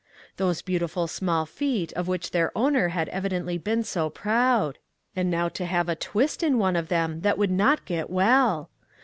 Those beautiful small feet of which their owner had evidently been so proud! and now to have a " twist " in one of them that would not get well!